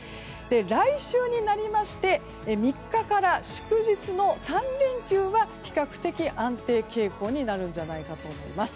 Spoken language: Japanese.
来週になりまして３日から祝日の３連休は比較的、安定傾向になるんじゃないかと思います。